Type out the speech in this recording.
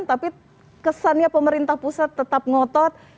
tapi kesannya pemerintah pusat tetap ngotot